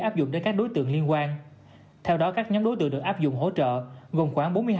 áp dụng đến các đối tượng liên quan theo đó các nhóm đối tượng được áp dụng hỗ trợ gồm khoảng bốn mươi hai